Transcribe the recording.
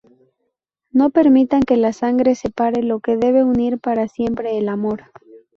No permitan que la sangre separe lo que debe unir para siempre el amor.